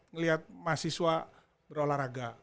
ngeliat mahasiswa berolahraga